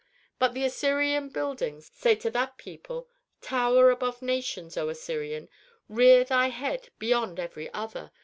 But the Assyrian buildings say to that people: 'Tower above nations, O Assyrian; rear thy head beyond every other!